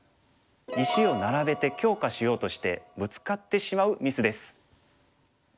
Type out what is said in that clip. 石を並べて強化しようとしてブツカってしまうミスです。